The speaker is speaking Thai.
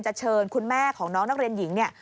เชิญคุณแม่ของน้องนักเรียนหญิงเนี่ย